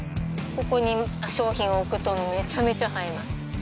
ここに商品を置くと、めちゃめちゃ映えます。